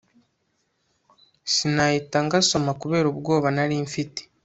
sinahita ngasoma kubera ubwoba nari mfite